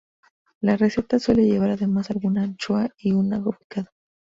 La receta suele llevar además alguna anchoa y un ajo picado.